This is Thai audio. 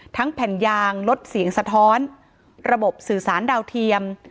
แผ่นยางลดเสียงสะท้อนระบบสื่อสารดาวเทียม